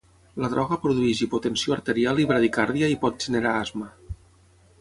La droga produeix hipotensió arterial i bradicàrdia i pot generar asma.